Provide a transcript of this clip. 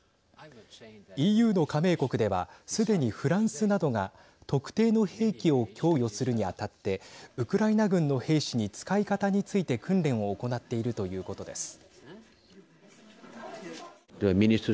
ＥＵの加盟国ではすでにフランスなどが特定の兵器を供与するに当たってウクライナ軍の兵士に使い方について訓練を行っているということです。